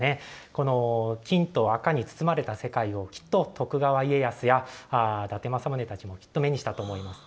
この金と赤に包まれた世界を、きっと、徳川家康や伊達政宗たちもきっと目にしたと思います。